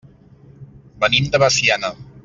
Venim de Veciana.